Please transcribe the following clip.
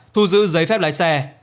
thu giữ giấy phép lái xe